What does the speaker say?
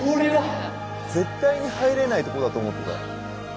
絶対に入れないとこだと思った。